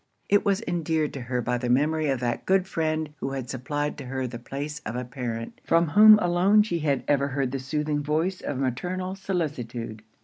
It was endeared to her by the memory of that good friend who had supplied to her the place of a parent; from whom alone she had ever heard the soothing voice of maternal solicitude.